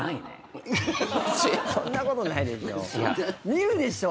見るでしょ？